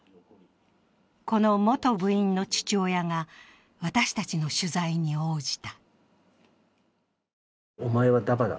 この元部員の父親が私たちの取材に応じた。